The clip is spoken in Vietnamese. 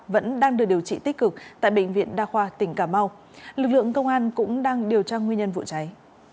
vẫn đang được điều trị tích cực tại bệnh viện đa khoa tỉnh cà mau lực lượng công an cũng đang điều tra nguyên nhân vụ cháy